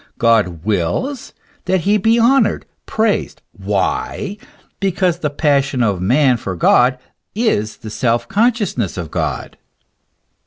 God wills that he be honoured, praised. Why? because the passion of man for God is the self consciousness of God.